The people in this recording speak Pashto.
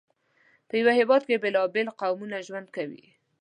په یو هېواد کې بېلابېل قومونه ژوند کوي.